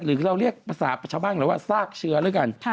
หรือเราเรียกภาษาประชาบ้างก็คือว่าซากเชื้อแล้วกัน